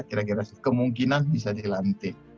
kira kira kemungkinan bisa dilantik